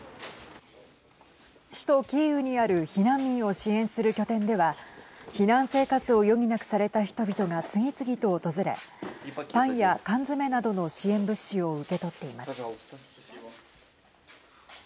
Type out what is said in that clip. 首都キーウにある避難民を支援する拠点では避難生活を余儀なくされた人々が次々と訪れパンや缶詰などの支援物資を受け取っています。